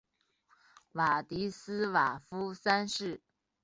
瓦迪斯瓦夫三世。